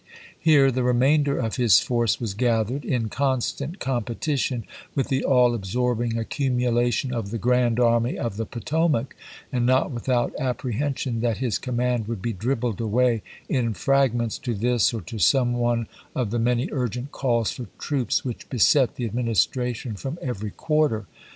Here the remainder of his force was gathered, in constant competition with the all absorbing accumulation of the grand Army of the Potomac, and not without apprehen sion that his command would be dribbled away in fragments to this or to some one of the many urgent calls for troops which beset the Ad ministration from every quarter.